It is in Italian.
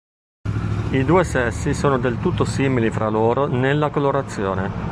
I due sessi sono del tutto simili fra loro nella colorazione.